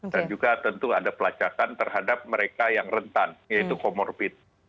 dan juga tentu ada pelacakan terhadap mereka yang rentan yaitu comorbid